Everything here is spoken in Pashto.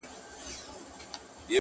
ډېر پخوا د نیل د سیند پر پوري غاړه -